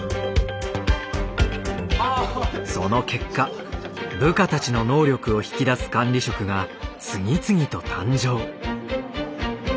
その結果部下たちの能力を引き出す管理職が次々と誕生。